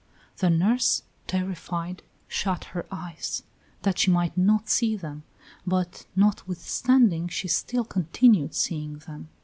The nurse, terrified, shut her eyes, that she might not see them, but notwithstanding she still continued seeing them.